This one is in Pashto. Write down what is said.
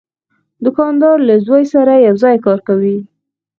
دوکاندار له زوی سره یو ځای کار کوي.